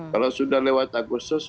kalau sudah lewat agustus